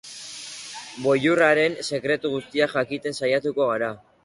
Boilurraren sekretu guztiak jakiten saiatuko gara.